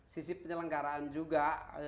sisi penyelenggaraan juga